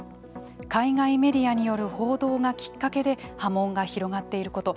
海外メディアによる報道がきっかけで波紋が広がっていること